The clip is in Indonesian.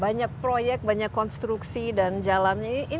banyak proyek banyak konstruksi dan jalan galan ini juga ada yang berguna ya